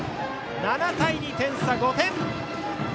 ７対２、点差は５点。